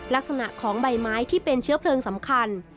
ลักษณะของใบไม้ที่เป็นเชื้อเพลิงสำคัญ